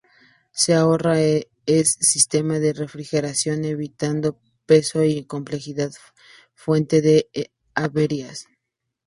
Se ahorra es sistema de refrigeración evitando peso y complejidad fuente de averías.